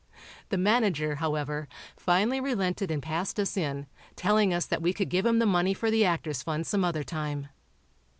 The manager, however, finally relented and passed us in, telling us that we could give him the money for the Actors' Fund some other time.